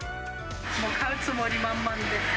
買うつもり満々で。